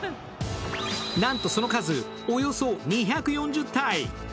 なんとその数、およそ２４０体。